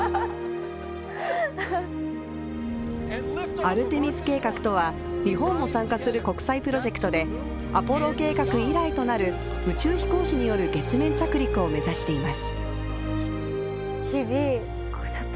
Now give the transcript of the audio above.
アルテミス計画とは、日本も参加する国際プロジェクトでアポロ計画以来となる宇宙飛行士による月面着陸を目指しています。